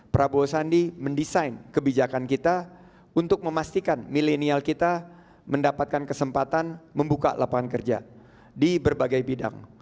prabowo sandi mendesain kebijakan kita untuk memastikan milenial kita mendapatkan kesempatan membuka lapangan kerja di berbagai bidang